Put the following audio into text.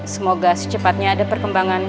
semoga secepatnya ada perkembangan